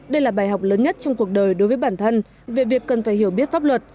đây là bài học lớn nhất trong cuộc đời đối với bản thân về việc cần phải hiểu biết pháp luật